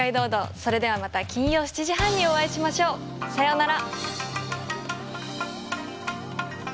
それではまたお会いしましょう。さようなら。